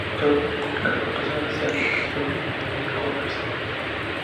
En todos estos casos, las agrupaciones hacían lo que hoy llamamos covers.